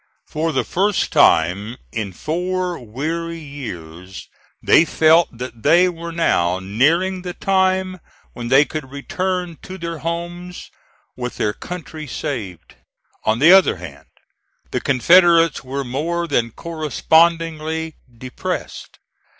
For the first time in four weary years they felt that they were now nearing the time when they could return to their homes with their country saved. On the other hand, the Confederates were more than correspondingly depressed.